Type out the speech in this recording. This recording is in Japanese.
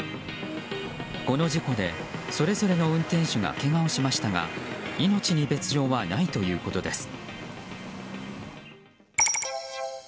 この事故で、それぞれの運転手がけがをしましたが命に別条はないということです。